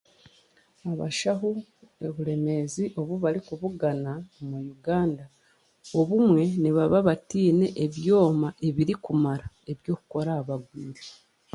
Abashaho oburemeezi obu barikubugana omu Uganda, obumwe nibaba bataine byoma ebirikumara ebirikukora ahabagwire